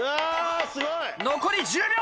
残り１０秒！